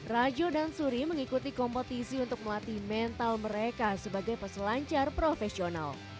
rajo dan suri mengikuti kompetisi untuk melatih mental mereka sebagai peselancar profesional